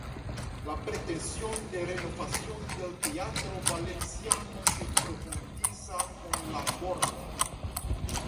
La pretensión de renovación del teatro valenciano se profundiza con "La Borda.